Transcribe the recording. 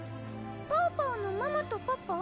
パオパオのママとパパ？